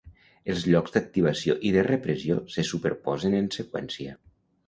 Els llocs d'activació i de repressió se superposen en seqüència.